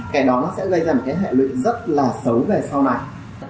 cái đó sẽ gây ra một cái hệ lụy rất là xấu về sau này